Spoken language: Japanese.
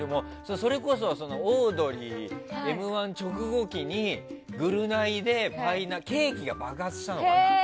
それこそオードリー「Ｍ‐１」直後期に「ぐるナイ」でケーキが爆発したのかな。